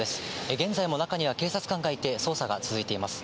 現在も中には警察官がいて、捜査が続いています。